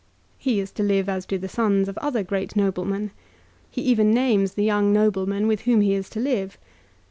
He is to live as do the sons of other great noblemen. He even names the young noblemen with whom he is to live.